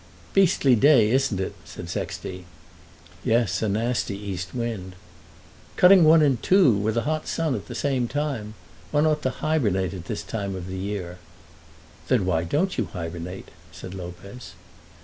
"Beastly day, isn't it?" said Sexty. "Yes, a nasty east wind." "Cutting one in two, with a hot sun at the same time. One ought to hybernate at this time of the year." "Then why don't you hybernate?" said Lopez.